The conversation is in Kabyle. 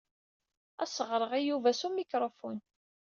Ad as-ɣreɣ i Yuba s umikṛufun.